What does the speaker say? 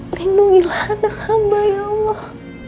lindungilah anak hamba yallah